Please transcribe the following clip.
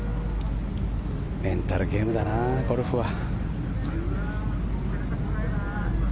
メンタルゲームだなゴルフは。